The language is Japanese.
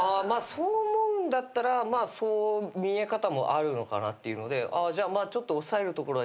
そう思うんだったらそう見え方もあるのかなっていうのでじゃあちょっと。